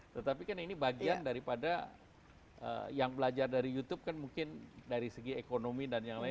tetapi kan ini bagian daripada yang belajar dari youtube kan mungkin dari segi ekonomi dan yang lain